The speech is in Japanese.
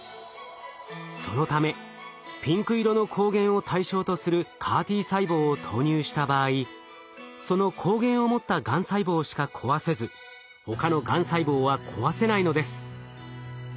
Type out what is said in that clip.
そのためピンク色の抗原を対象とするＣＡＲ−Ｔ細胞を投入した場合その抗原を持ったがん細胞しか壊せず他のがん細胞は壊せないのです。